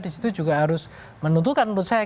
di situ juga harus menentukan menurut saya